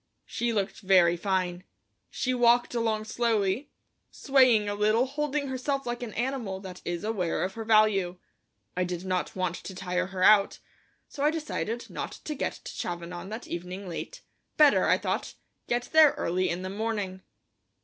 She looked very fine; she walked along slowly, swaying a little, holding herself like an animal that is aware of her value. I did not want to tire her out, so I decided not to get to Chavanon that evening late; better, I thought, get there early in the morning.